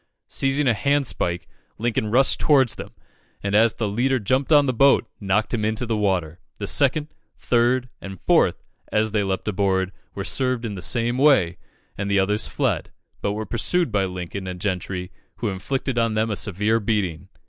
Seizing a hand spike, Lincoln rushed towards them, and as the leader jumped on the boat, knocked him into the water. The second, third, and fourth, as they leaped aboard, were served in the same way, and the others fled, but were pursued by Lincoln and Gentry, who inflicted on them a severe beating.